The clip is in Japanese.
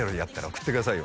「送ってくださいよ」